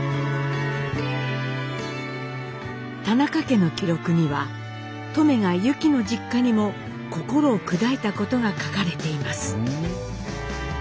田中家の記録にはトメがユキの実家にも心を砕いたことが書かれています。